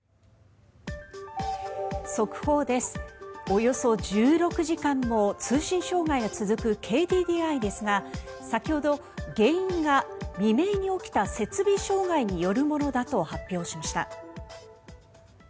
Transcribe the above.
およそ１６時間も通信障害が続くＫＤＤＩですが先ほど、原因が未明に起きた設備障害によるものだと発表しました。